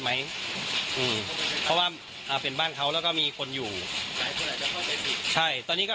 แต่เวลาเอาศพลงเค้าขออย่างเดียวว่า